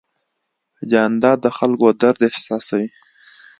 جانداد د خلکو درد احساسوي.